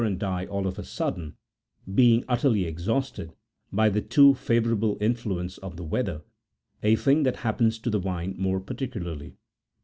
and die all of a sudden, being utterly exhausted by the too favourable influence of the weather, a thing that happens to the vine more particularly.